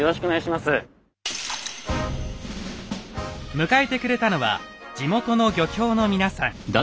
迎えてくれたのは地元の漁協の皆さん。